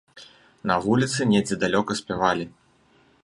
На вуліцы недзе далёка спявалі.